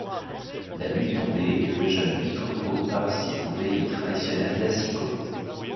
La nuit tomber le jeune bikoko participe aux veillées traditionnelles d'Assiko.